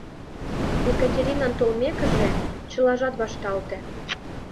Екатеринан толмекыже, чылажат вашталте.